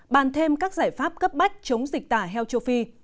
bàn thêm các giải pháp cấp bách chống dịch tả heo châu phi